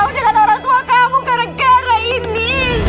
kamu tak bisa jauh dengan orang tua kamu gara gara ini